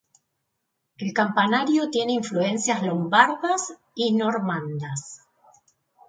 El campanario tiene influencias lombardas y normandas.